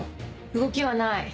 動きはない。